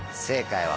正解！